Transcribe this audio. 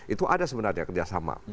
itu ada sebenarnya kerjasama